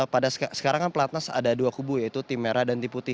pada sekarang kan pelatnas ada dua kubu yaitu tim merah dan tim putih